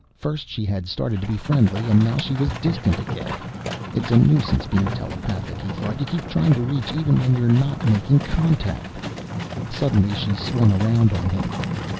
First she had started to be friendly and now she was distant again. It's a nuisance being telepathic, he thought. You keep trying to reach even when you are not making contact. Suddenly she swung around on him.